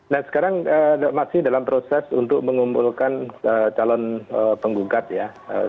nah sekarang masih dalam proses untuk mengumpulkan calon penggugat ya